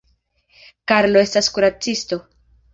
Karlo estas kuracisto.